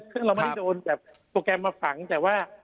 ซึ่งเราไม่ได้โดนแบบโปรแกรมมาฝังแต่ว่า